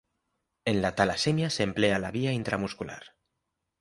En la talasemia se emplea la vía intramuscular.